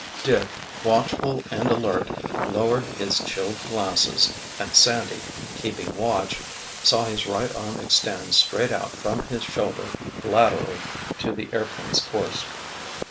Dick, watchful and alert, lowered his chilled glasses and Sandy, keeping watch, saw his right arm extend straight out from his shoulder, laterally to the airplane's course.